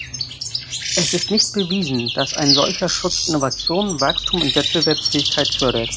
Es ist nicht bewiesen, dass ein solcher Schutz Innovation, Wachstum und Wettbewerbsfähigkeit fördert.